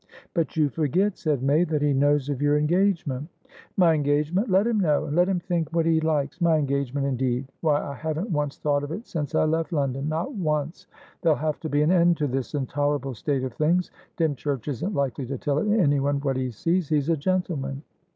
"But you forget," said May, "that he knows of your engagement." "My engagement! Let him know, and let him think what he likes! My engagement, indeed! Why, I haven't once thought of it since I left Londonnot once! There'll have to be an end to this intolerable state of things. Dymchurch isn't likely to tell anyone what he sees; he's a gentleman."